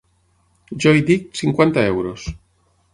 Jo hi dic cinquanta euros.